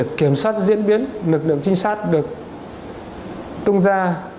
vụ để kiểm soát diễn biến lực lượng trinh sát được tung ra